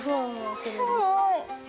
すごい。